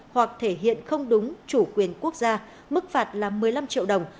hoặc thể hiện không đúng chủ quyền quốc gia mức phạt là một mươi năm triệu đồng